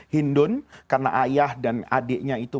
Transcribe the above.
hindun karena ayah dan adiknya itu